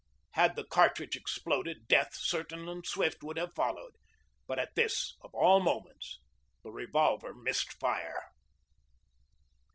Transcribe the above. Had the cartridge exploded, death, certain and swift, would have followed, but at this, of all moments, the revolver missed fire.